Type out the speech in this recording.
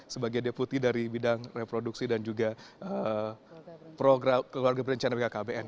sebagai deputi dari bidang reproduksi dan juga keluarga berencana bkkbn